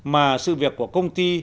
mà sự việc của công ty